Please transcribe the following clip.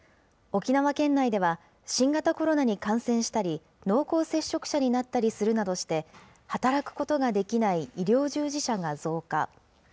沖縄県内では、新型コロナに感染したり、濃厚接触者になったりするなどして、働くことができない医療従事者が増加。